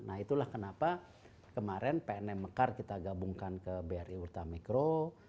nah itulah kenapa kemarin pnm mekar kita gabungkan ke bri ultramikro